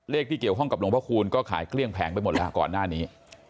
ที่เกี่ยวข้องกับหลวงพระคูณก็ขายเกลี้ยงแผงไปหมดแล้วก่อนหน้านี้